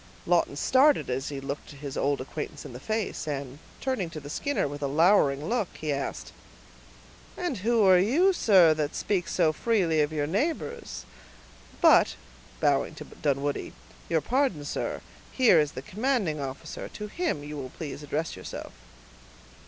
Lawton started as he looked his old acquaintance in the face, and, turning to the Skinner with a lowering look, he asked,— "And who are you, sir, that speak so freely of your neighbors? But," bowing to Dunwoodie, "your pardon, sir; here is the commanding officer; to him you will please address yourself."